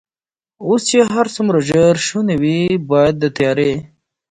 اوس چې هر څومره ژر شونې وي، باید د تیارې.